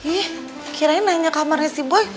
ih kiranya nanya kamarnya si boy